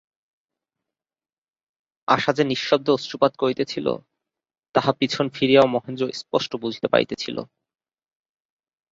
আশা যে নিঃশব্দে অশ্রুপাত করিতেছিল, তাহা পিছন ফিরিয়াও মহেন্দ্র স্পষ্ট বুঝিতে পারিতেছিল।